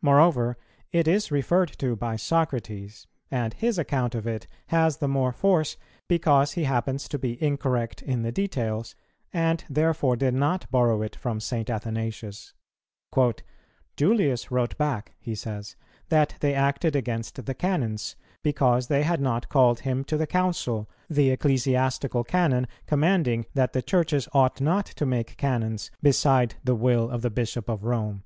Moreover, it is referred to by Socrates; and his account of it has the more force, because he happens to be incorrect in the details, and therefore did not borrow it from St. Athanasius: "Julius wrote back," he says, "that they acted against the Canons, because they had not called him to the Council, the Ecclesiastical Canon commanding that the Churches ought not to make Canons beside the will of the Bishop of Rome."